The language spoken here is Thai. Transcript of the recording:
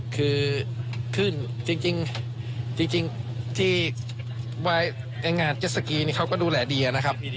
คือขึ้นจริงที่ไว้ในงานเจ็ดสกีนี่เขาก็ดูแลดีนะครับ